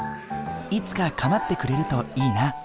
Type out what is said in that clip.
いつか構ってくれるといいな。